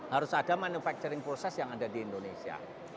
harus ada manufacturing proses yang ada di indonesia